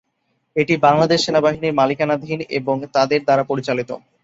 এটি বাংলাদেশ সেনাবাহিনীর মালিকানাধীন এবং তাদের দ্বারা পরিচালিত।